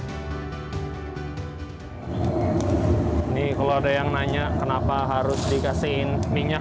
ini kalau ada yang nanya kenapa harus dikasih minyak